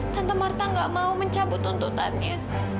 tante marta gak mau mencabut tuntutannya